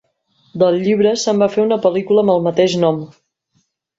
Del llibre se'n va fer una pel·lícula amb el mateix nom.